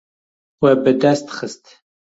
We bi dest xist.